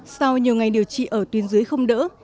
sau nhiều ngày điều trị ở tuyến dưới không đỡ